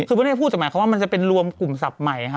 คือเขาไม่ได้พูดคำใหม่เขาบอกว่ามันจะเป็นรวมกลุ่มศัพท์ใหม่ค่ะ